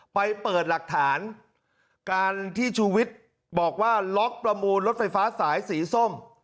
ไปเปิดหลักฐานการที่ชูวิทย์บอกว่าล็อกประมูลรถไฟฟ้าสายสีส้ม